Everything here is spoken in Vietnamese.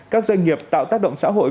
các doanh nghiệp tạo tác động xã hội